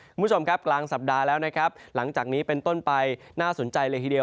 คุณผู้ชมครับกลางสัปดาห์แล้วนะครับหลังจากนี้เป็นต้นไปน่าสนใจเลยทีเดียว